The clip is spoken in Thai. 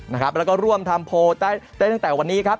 แล้วก็ร่วมทำโพลได้ตั้งแต่วันนี้ครับ